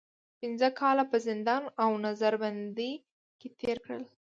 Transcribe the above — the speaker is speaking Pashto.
پنځه کاله په زندان او نظر بندۍ کې تېر کړل.